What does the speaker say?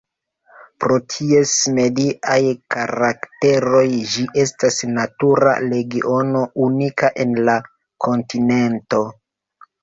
Pro ties mediaj karakteroj ĝi estas natura regiono unika en la kontinento.